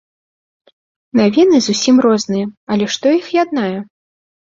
Навіны зусім розныя, але што іх яднае?